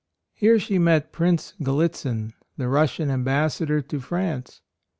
Here she met Prince Gallitzin, the Russian Ambassador to France.